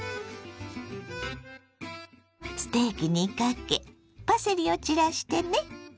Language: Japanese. ステーキにかけパセリを散らしてね。